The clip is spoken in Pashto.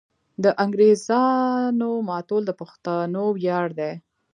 د انګریزامو ماتول د پښتنو ویاړ دی.